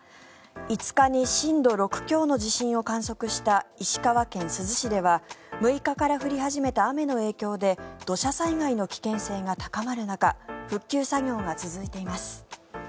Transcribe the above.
５日に震度６強の地震を観測した石川県珠洲市では６日から降り始めた雨の影響で土砂災害の危険性が高まる中復旧作業が続いています。